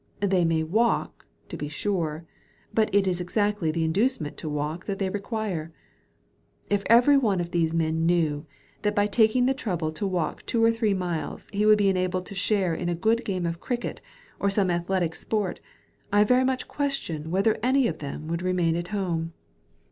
They may walk, to be sure, but it is exactly the inducement to walk that they require. If every one of these men knew, that by taking the trouble to walk two or three miles he would be enabled to share in a good game of cricket, or some athletic sport, I very much question whether any of them would remain at home.